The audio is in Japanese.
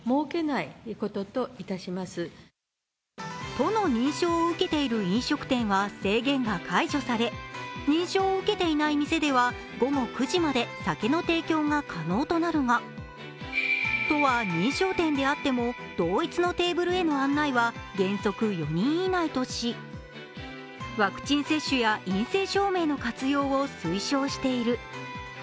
都の認証を受けている飲食店は制限が解除され認証を受けていない店では午後９時まで酒の提供が可能となるが都は認証店であっても同一のテーブルへの案内は原則４人以内としワクチン接種や陰性証明の活用を推奨している。